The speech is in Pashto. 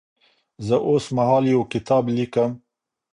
زه اوس مهال یو کتاب لیکم.